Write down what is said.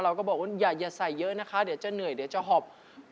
เราก็บอกว่าอย่าใส่เยอะนะคะเดี๋ยวจะเหนื่อยเดี๋ยวจะหอบ